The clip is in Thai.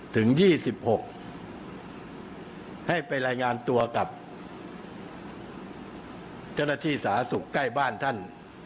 ถึง๒๖ให้ไปรายงานตัวกับเจ้าหน้าที่สาธารณสุขใกล้บ้านท่าน